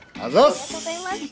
ありがとうございます。